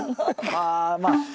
ああまあ